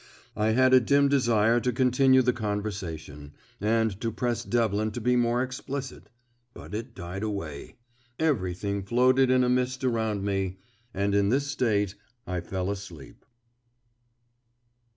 I had a dim desire to continue the conversation, and to press Devlin to be more explicit, but it died away. Everything floated in a mist around me, and in this state I fell asleep.